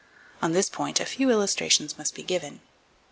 On this point a few illustrations must be given.